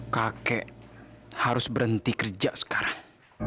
kakek harus berhenti kerja sekarang